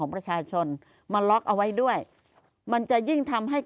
ผ่านสรชา